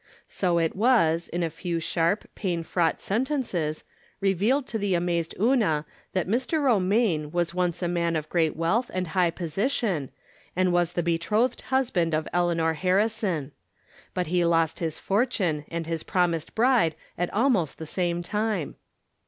So it was, in a few sharp, pain fraught sentences, revealed to the amazed Una that Mr. Romaine was once a man of great wealth and high position, and was the be trothed husband of Eleanor Harrison. But he lost his fortune and his promised bride at almost the same time.